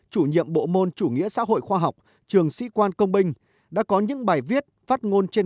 chủ nhiệm bộ môn chủ nghĩa xã hội khoa học trường sĩ quan công binh đã có những bài viết phát ngôn trên